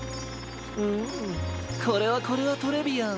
うんこれはこれはトレビアン！